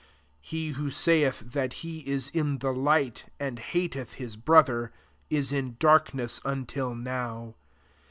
9 " He who saith that he is in the light, and hateth his brother, is in darkness until now.